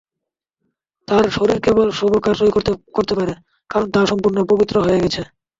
তাঁর শরীর কেবল শুভ কার্যই করতে পারে, কারণ তা সম্পূর্ণ পবিত্র হয়ে গেছে।